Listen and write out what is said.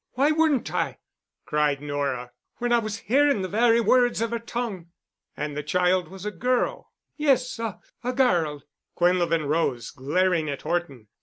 Why wouldn't I——" cried Nora, "when I was hearin' the very words of her tongue." "And the child was a girl?" "Yes—a—a girl——" Quinlevin rose, glaring at Horton.